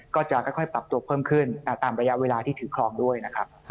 ก็จะค่อยปรับตัวเพิ่มขึ้นตามระยะเวลาที่ถือครองด้วยนะครับ